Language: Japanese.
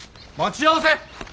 待ち合わせ？